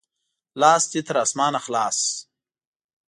لاس دې تر اسمانه خلاص!